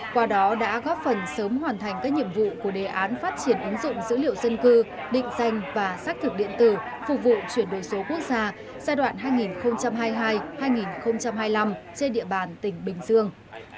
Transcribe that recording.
qua đó đã góp phần sớm hoàn thành các nhiệm vụ của đề án phát triển ứng dụng dữ liệu dân cư định danh và xác thực điện tử phục vụ chuyển đổi số quốc gia giai đoạn hai nghìn hai mươi hai hai nghìn hai mươi năm trên địa bàn tỉnh bình dương